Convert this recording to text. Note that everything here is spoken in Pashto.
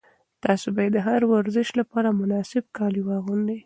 تاسي باید د هر ورزش لپاره مناسب کالي واغوندئ.